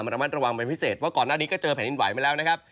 มาตรวมประวัตรระวังเป็นพิเศษอีกหน่อยก็เจอแผ่นอินไหวมาแล้วนะครับ